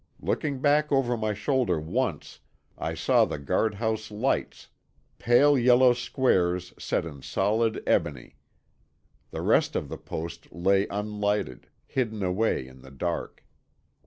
Looking back over my shoulder once, I saw the guardhouse lights, pale yellow squares set in solid ebony. The rest of the post lay unlighted, hidden away in the dark.